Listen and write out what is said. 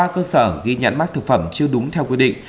ba cơ sở ghi nhẵn mắt thực phẩm chưa đúng theo quy định